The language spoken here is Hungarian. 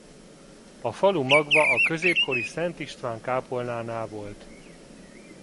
A falu magva a középkori Szent István-kápolnánál volt.